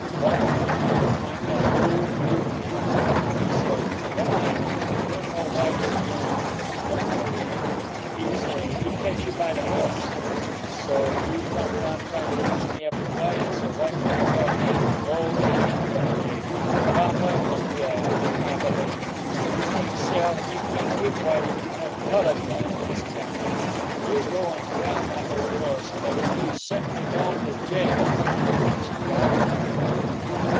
White man tryin' to fine out who you is. He say, nemmine, he'll know Whitey ag'in, even if he don' know you! He say he ketch you by the hoss; so you come roun' tryin' fix me up with Whitey so white man grab me, th'ow me in 'at jail. G'on 'way f'um hyuh, you Abalene! You cain' sell an' you cain' give Whitey to no cullud man 'in 'is town. You go an' drowned 'at ole hoss, 'cause you sutny goin' to jail if you git ketched drivin' him."